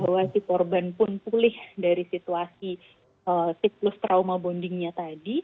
bahwa si korban pun pulih dari situasi siklus trauma bondingnya tadi